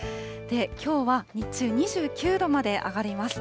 きょうは日中、２９度まで上がります。